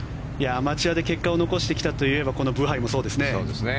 アマチュアで結果を残してきたといえばこのブハイもそうですね。